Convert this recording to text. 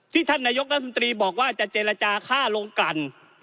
ท่านนายกรัฐมนตรีบอกว่าจะเจรจาค่าลงกลั่น